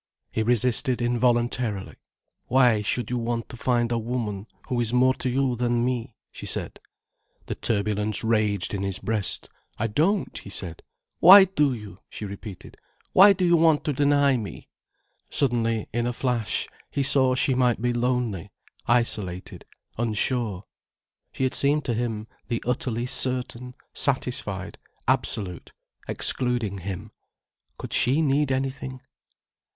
He resisted involuntarily. "Why should you want to find a woman who is more to you than me?" she said. The turbulence raged in his breast. "I don't," he said. "Why do you?" she repeated. "Why do you want to deny me?" Suddenly, in a flash, he saw she might be lonely, isolated, unsure. She had seemed to him the utterly certain, satisfied, absolute, excluding him. Could she need anything?